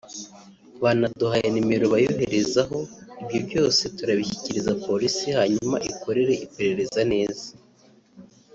banaduhaye nomero bayoherezaho […] Ibyo byose turabishyikiriza polisi hanyuma ikorere iperereza neza